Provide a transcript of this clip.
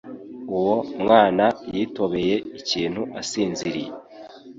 Uwo mwana yitobeye ikintu asinziriye